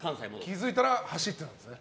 気づいたら走ってたんですね。